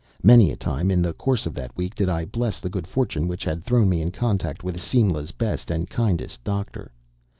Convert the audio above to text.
Many a time in the course of that week did I bless the good fortune which had thrown me in contact with Simla's best and kindest doctor.